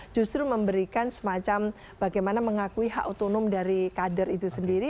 justru memberikan semacam bagaimana mengakui hak otonom dari kader itu sendiri